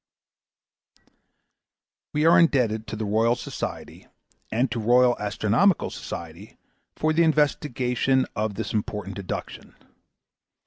We are indebted to the [British] Royal Society and to the Royal Astronomical Society for the investigation of this important deduction.